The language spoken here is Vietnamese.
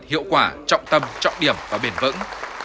hiệu quả trọng tâm trọng điểm và bền vững